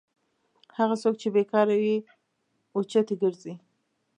هغه څوک چې بېکاره وي او چټي ګرځي.